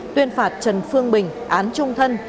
tuyên phạt trần phương bình án trung thân